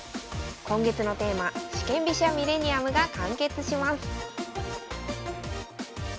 今月のテーマ四間飛車ミレニアムが完結します